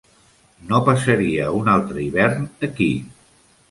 No passaria un altre hivern aquí.